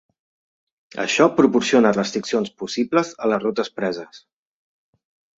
Això proporciona restriccions possibles a les rutes preses.